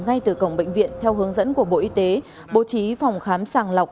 ngay từ cổng bệnh viện theo hướng dẫn của bộ y tế bố trí phòng khám sàng lọc